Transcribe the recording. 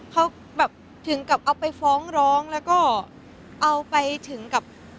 เขาแบบถึงกับเอาไปฟ้องร้องแล้วก็เอาไปถึงกับ